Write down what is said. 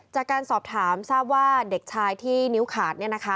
จากการสอบถามทราบว่าเด็กชายที่นิ้วขาด